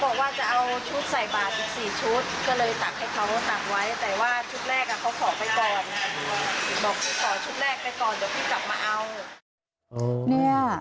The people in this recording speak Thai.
เขาบอกว่าจะเอาชุดใส่บาท๔ชุดก็เลยตักให้เขาตักไว้